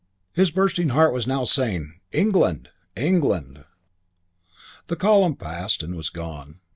_ His bursting heart was now saying, "England! England!" IV The column passed and was gone.